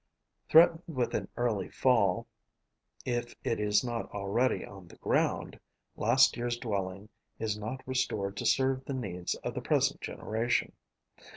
Threatened with an early fall, if it is not already on the ground, last year's dwelling is not restored to serve the needs of the present generation.